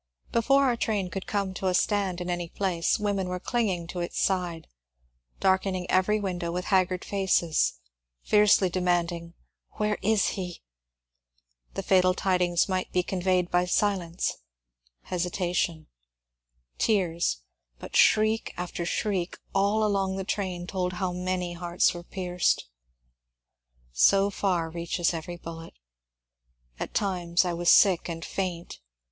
Before our train could come to a stand in any place, women were clinging to its side, darken ing every window with haggard faces, fiercely demanding, Where is he ?" The fatal tidings might be conveyed by silence, hesitation, tears, but shriek after shriek all along the train told how many hearts were pierced. So far reaches every bullet! At times I was sick and faint.